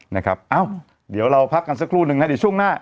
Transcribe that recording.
นะครับเอ้าเดี๋ยวเราพักกันสักครู่นึงนะเดี๋ยวช่วงหน้า